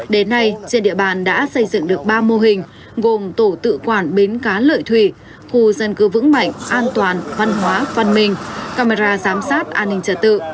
đến nay trên địa bàn đã xây dựng được ba mô hình gồm tổ tự quản bến cá lợi thủy khu dân cư vững mạnh an toàn văn hóa văn minh camera giám sát an ninh trật tự